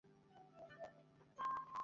তুমি তাদের নেতা ছিলে।